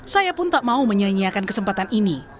saya pun tak mau menyanyiakan kesempatan ini